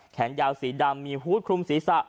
แขนยาวสีดำมีหุ้ดคลุมสีสะ